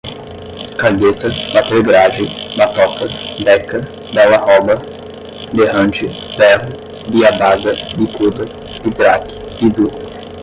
cagueta, bater grade, batota, beca, bela roba, berrante, berro, biabada, bicuda, bidraque, bidú